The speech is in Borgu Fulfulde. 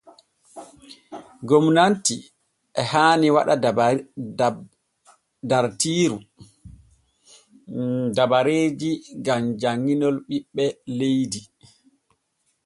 Gomnati e haani waɗa dartiiru dabareeji gam janŋinol ɓiɓɓe leydi.